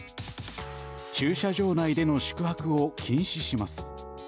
駐車場内での宿泊を禁止します。